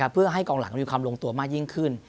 เพื่อให้กองหลังมีความลงตัวมากยิ่งขึ้น